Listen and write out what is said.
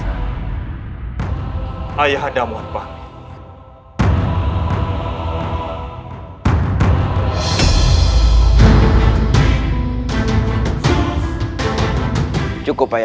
yang tahan jombok panggang hari ini